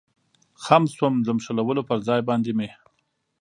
خم شوم، د نښلولو پر ځای باندې مې.